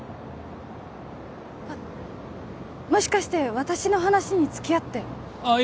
あっもしかして私の話につきあってああ